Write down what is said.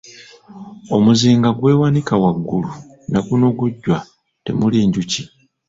Omuzinga gwewanika waggulu na guno gujwa temuli njuki.